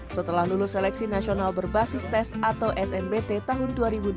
setelah lulus seleksi nasional berbasis tes atau snbt tahun dua ribu dua puluh